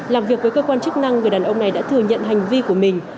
làm việc với cơ quan chức năng người đàn ông này đã thừa nhận hành vi của mình